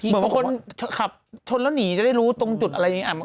เหมือนว่าคนขับชนแล้วหนีจะได้รู้ตรงจุดอะไรอย่างนี้